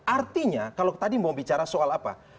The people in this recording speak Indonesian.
artinya kalau tadi mau bicara soal apa